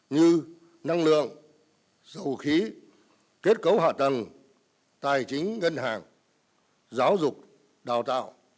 như năng lượng vũ khí kết cấu hạ tầng tài chính ngân hàng giáo dục đào tạo